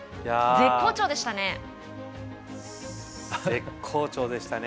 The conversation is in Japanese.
絶好調でしたね。